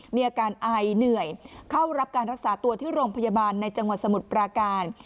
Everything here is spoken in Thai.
มีอาการไอเหนื่อยเข้ารับการรักษาตัวที่โรงพยาบาลในจังหวัดสมุทรปราการ